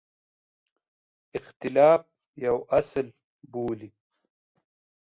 اختلاف یو اصل بولي.